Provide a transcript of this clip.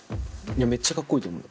めっちゃかっこいいと思う。